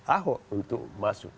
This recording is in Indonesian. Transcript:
aho untuk masuk